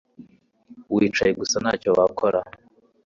Wicaye gusa ntacyo wakoze